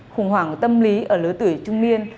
khủng hoảng tâm lý ở lứa tuổi trung niên